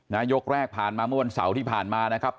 ยกแรกผ่านมาเมื่อวันเสาร์ที่ผ่านมานะครับ